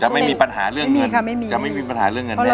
ไม่มีปัญหาเรื่องเงินจะไม่มีปัญหาเรื่องเงินแน